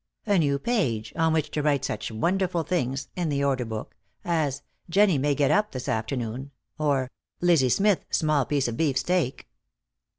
A new page, on which to write such wonderful things (in the order book) as: "Jennie may get up this afternoon." Or: "Lizzie Smith, small piece of beef steak."